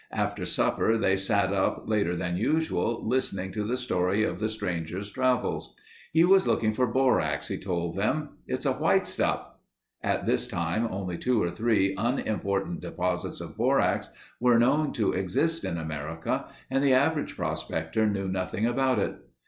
After supper they sat up later than usual, listening to the story of the stranger's travels. He was looking for borax, he told them. "It's a white stuff...." At this time, only two or three unimportant deposits of borax were known to exist in America and the average prospector knew nothing about it.